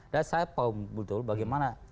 dan saya tahu betul bagaimana